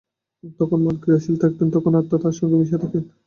যখন মন ক্রিয়াশীল থাকে, তখন আত্মা তার সঙ্গে মিশিয়া থাকেন।